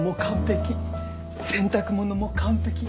洗濯物も完璧。